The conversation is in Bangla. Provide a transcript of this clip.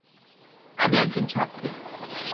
আমি একজন ছাত্রী।